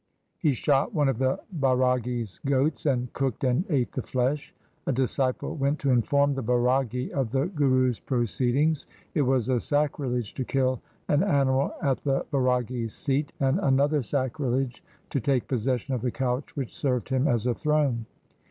He shot one of the Bairagi's goats and cooked and ate the flesh. A disciple went to inform the Bairagi of the Guru's proceedings. It was a sacrilege to kill an animal at the Bairagi's seat, and another sacrilege to take possession of the couch which served him as a throne.